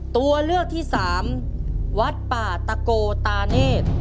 ตัวเลือกที่๓วัดป่าตะโกตาม